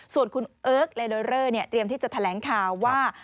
ส่วนคุณเอิ๊กเรียมที่จะแถลงข่าวว่า